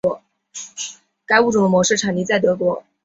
该物种的模式产地在德国。